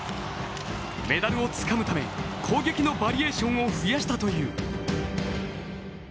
メダルをつかむため攻撃のバリエーションを増やしたという。